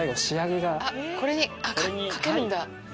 これにかけるんだ。